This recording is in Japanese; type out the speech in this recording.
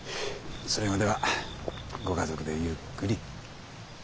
それまではご家族でゆっくり。